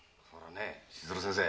千鶴先生